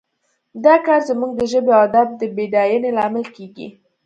دا کار زموږ د ژبې او ادب د بډاینې لامل کیږي